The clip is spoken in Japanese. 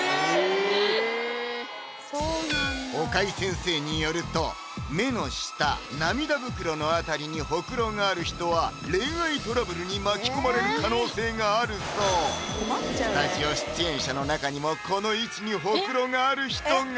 ⁉岡井先生によると目の下涙袋の辺りにホクロがある人は恋愛トラブルに巻き込まれる可能性があるそうこの位置にホクロがある人が！